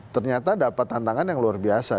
ternyata dapat tantangan yang luar biasa